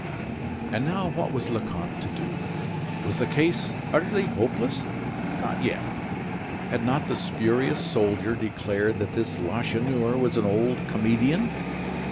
And now what was Lecoq to do? Was the case utterly hopeless? Not yet. Had not the spurious soldier declared that this Lacheneur was an old comedian?